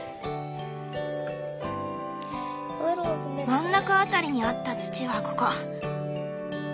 真ん中辺りにあった土はここ。